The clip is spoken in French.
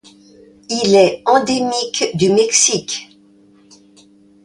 Il est endémique du Mexique.